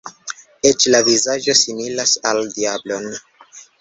Eĉ la vizaĝo similas la diablon!